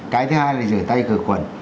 cái thứ hai là rửa tay cửa quần